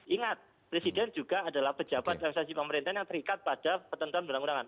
ingat presiden juga adalah pejabat dan organisasi pemerintahan yang terikat pada petentuan berang berangan